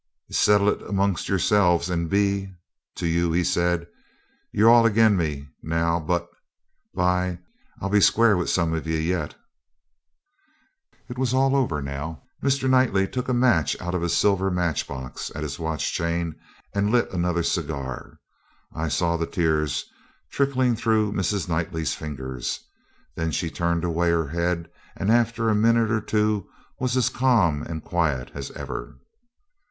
'Settle it amongst yourselves, and be to you,' he said. 'You're all agin me now; but, by , I'll be square with some of ye yet.' It was all over now. Mr. Knightley took a match out of the silver match box at his watch chain, and lit another cigar. I saw the tears trickling through Mrs. Knightley's fingers. Then she turned away her head, and after a minute or two was as calm and quiet as ever.